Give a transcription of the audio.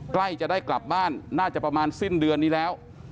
ใกล้จะได้กลับบ้านน่าจะประมาณสิ้นเดือนนี้แล้ว